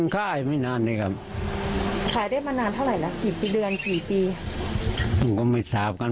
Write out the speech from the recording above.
กลีดย่างหนี้ว่าอย่างไม่หนี้ก็ผมไม่ถามนะ